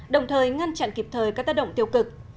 đồng thời ngăn chặn kịp thời các tác động tiêu cực